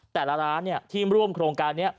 แต่ละร้านที่ร่วมโครงการนี้